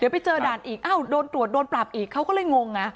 เดี๋ยวไปเจอด่านอีกโดนตรวจโดนปรับอีกเขาก็เลยงง